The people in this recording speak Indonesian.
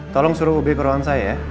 tolong suruh ubik ruangan saya ya